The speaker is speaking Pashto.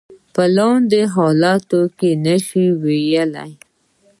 په لاندې حالاتو کې نشو ویلای.